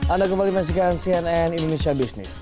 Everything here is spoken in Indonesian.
anda kembali menyaksikan cnn indonesia business